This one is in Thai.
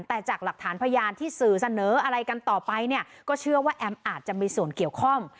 แต่จากหลักฐานพยานที่สื่อเสนออะไรกันต่อไปเนี่ยก็เชื่อว่าแอมอาจจะมีส่วนเกี่ยวข้อง